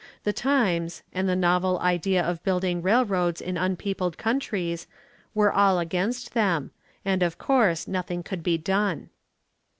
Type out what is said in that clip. The times, and the novel idea of building railroads in unpeopled countries, were all against them, and, of course, nothing could be done.